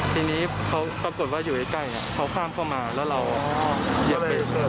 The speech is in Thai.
ทีนี้เขากดว่าอยู่ไกลเนี่ยเขาข้ามเข้ามาแล้วเราอย่าเปลี่ยน